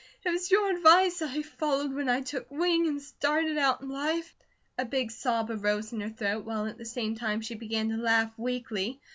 It was Your advice I followed when I took wing and started out in life." A big sob arose in her throat, while at the same time she began to laugh weakly.